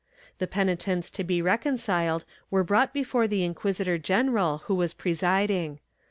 The penitents to be reconciled were brought before the inquisitor general who was presiding.